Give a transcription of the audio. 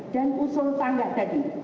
dan usul tangga tadi